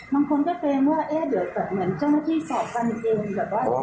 บางคนก็เตรียมว่าเดี๋ยวแบบเหมือนเจ้าหน้าที่สอบการเตรียม